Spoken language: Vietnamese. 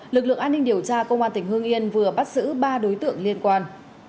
lực lượng an ninh điều tra công an tỉnh hương yên vừa bắt giữ ba đối tượng liên quan